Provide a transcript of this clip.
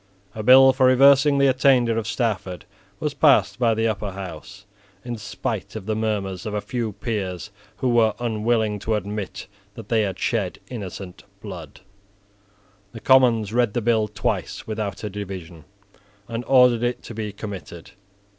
A bill for reversing the attainder of Stafford was passed by the Upper House, in spite of the murmurs of a few peers who were unwilling to admit that they had shed innocent blood. The Commons read the bill twice without a division, and ordered it to be committed.